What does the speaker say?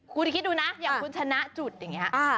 คุณคิดดูนะอย่างคุณชนะจุดอย่างนี้